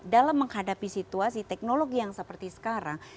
dalam menghadapi situasi teknologi yang seperti sekarang